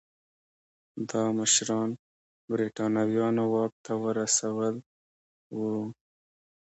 دا مشران برېټانویانو واک ته ورسول وو.